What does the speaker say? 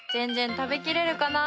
食べきれるかな？」